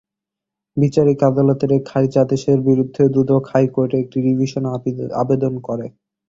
বিচারিক আদালতের এ খারিজ আদেশের বিরুদ্ধে দুদক হাইকোর্টে একটি রিভিশন আবেদন করে।